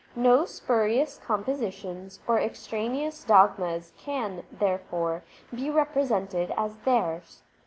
No spurious compositions or extraneous dogmas can, therefore, be represented as theirs.